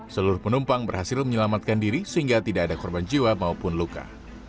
seluruh penumpang berhasil menyelamatkan diri sehingga tidak ada korban jiwa maupun luka